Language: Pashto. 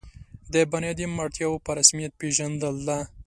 د بني آدم اړتیاوو په رسمیت پېژندل ده.